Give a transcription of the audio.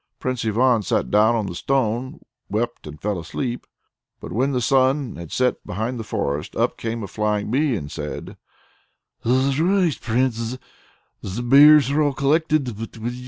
Prince Ivan sat down on the stone, wept, and fell asleep. But when the sun had set behind the forest, up came flying a bee and said: "Arise, Prince! The mares are all collected.